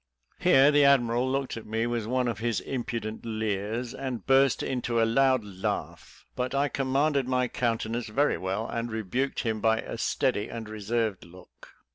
Here the admiral looked at me with one of his impudent leers, and burst into a loud laugh; but I commanded my countenance very well, and rebuked him by a steady and reserved look.